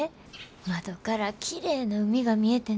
窓からきれいな海が見えてな。